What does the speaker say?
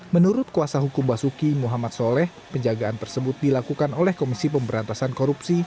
menurut kuasa hukum basuki muhammad soleh penjagaan tersebut dilakukan oleh komisi pemberantasan korupsi